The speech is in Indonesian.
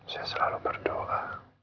saya selalu berdoa